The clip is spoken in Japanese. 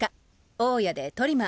大家でトリマー。